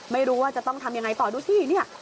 ไม่รู้ว่าจะต้องทำยังไงต่อดูสิเนี่ย